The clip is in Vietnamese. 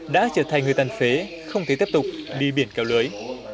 đã trở thành người tàn phế không thể tiếp tục đi biển kéo lưới